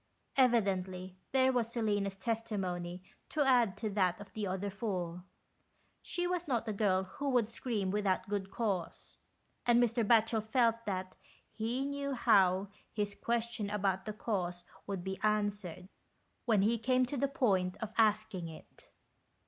Evidently there was Selina's testimony to add to that of 46 0HOST TALBS. the other four ; she was not a girl who would scream without good cause, and Mr. Batchel felt that he knew how his question about the cause would be answered, when he came to the point of asking it.